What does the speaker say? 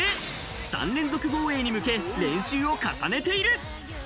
３連続防衛に向け練習を重ねている。